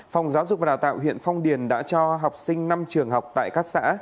phòng giáo dục và đào tạo huyện phong điền đã cho học sinh năm trường học tại các xã